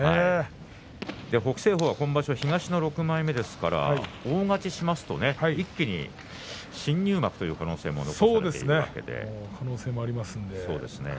北青鵬は今場所、東の６枚目ですから大勝ちしますと一気に新入幕可能性もありますね。